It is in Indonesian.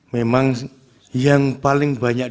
memang yang paling banyak